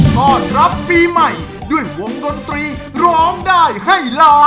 ต้อนรับปีใหม่ด้วยวงดนตรีร้องได้ให้ล้าน